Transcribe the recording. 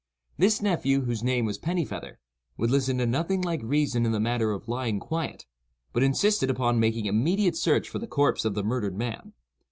This nephew, whose name was Pennifeather, would listen to nothing like reason in the matter of "lying quiet," but insisted upon making immediate search for the "corpse of the murdered man."